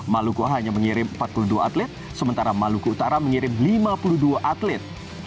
maluku hanya mengirim empat puluh dua atlet sementara maluku utara mengirim lima puluh dua atlet